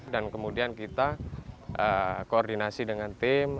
dan kemudian kita koordinasi dengan tim